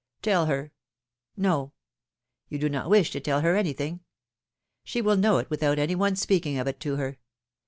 Tell her — No! you do not wish to tell her any thing? She will know it without any one's speaking of it to her.